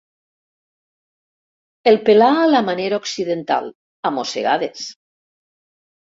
El pelà a la manera occidental, a mossegades.